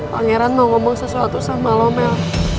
pangeran mau ngomong sesuatu sama lo mel